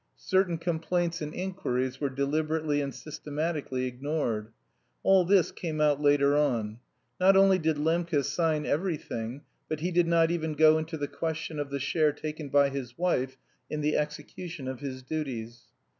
Certain complaints and inquiries were deliberately and systematically ignored. All this came out later on. Not only did Lembke sign everything, but he did not even go into the question of the share taken by his wife in the execution of his duties.